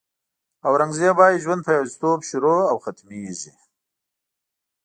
اورنګزېب وایي ژوند په یوازېتوب شروع او ختمېږي.